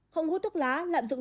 không hút thuốc lá lạm dụng